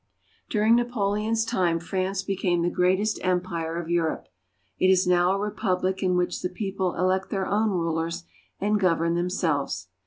During Napoleon's time France became the greatest empire of Europe. It is now a republic in which the people elect their own rulers and govern themselves.